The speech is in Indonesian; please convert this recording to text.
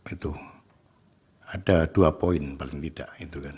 itu ada dua poin paling tidak